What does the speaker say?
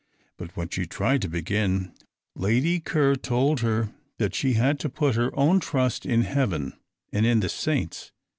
But when she tried to begin, Lady Ker told her that she had put her own trust in Heaven, and in the Saints.